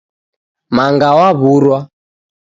Manga wawurwa